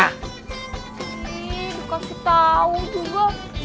ih dikasih tau juga